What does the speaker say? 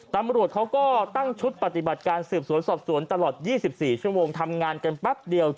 ตำรวจเขาก็ตั้งชุดปฏิบัติการสืบสวนสอบสวนตลอด๒๔ชั่วโมงทำงานกันแป๊บเดียว